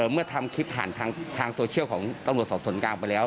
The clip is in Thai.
เมื่อทำคลิปผ่านทางโซเชียลของตำรวจสอบส่วนกลางไปแล้ว